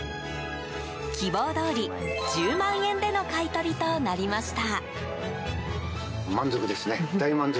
希望どおり、１０万円での買い取りとなりました。